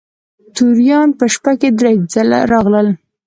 توریان په شپه کې درې ځله راغلل.